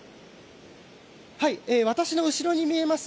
私の後ろに見えます